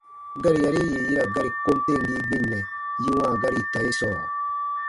Gari yari yì yi ra gari kom temgii gbinnɛ yi wãa gari ita ye sɔɔ?